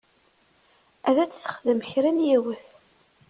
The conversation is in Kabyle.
Ad t-texdem kra n yiwet.